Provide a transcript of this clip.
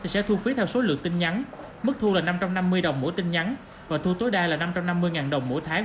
sẽ thu phí theo số lượng tin nhắn mức thu là năm trăm năm mươi đồng mỗi tin nhắn và thu tối đa là năm trăm năm mươi đồng mỗi tháng